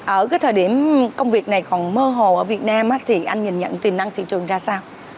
ở cái thời điểm công việc này còn mơ hồ ở việt nam thì anh nhìn nhận tiềm năng thị trường ra sao